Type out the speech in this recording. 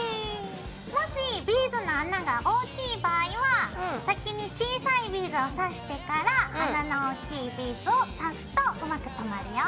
もしビーズの穴が大きい場合は先に小さいビーズを刺してから穴の大きいビーズを刺すとうまくとまるよ。